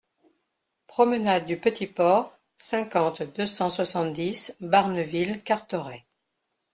Promenade du Petit Port, cinquante, deux cent soixante-dix Barneville-Carteret